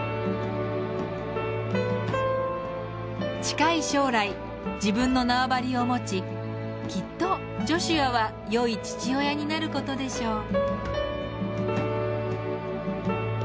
近い将来自分の縄張りを持ちきっとジョシュアは良い父親になる事でしょう。